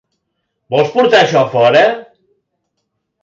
VOLS PORTAR AIXÒ A FORA?